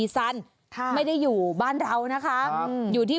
เสริมแต่สู่อย่างที่